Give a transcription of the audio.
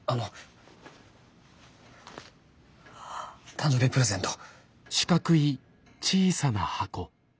誕生日プレゼント。